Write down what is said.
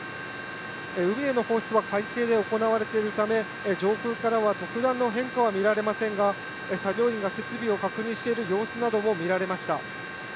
海への放出は海底で行われているため、上空からは特段の変化は見られませんが、作業員が設備を確認している様子なども見られました。